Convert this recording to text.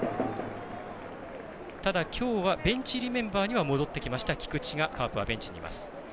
ただ、きょうはベンチ入りメンバーには戻ってきました、菊池がカープはベンチにいます。